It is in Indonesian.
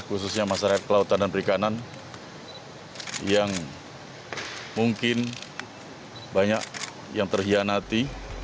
khususnya masyarakat kelautan dan perikanan yang mungkin banyak yang terhianati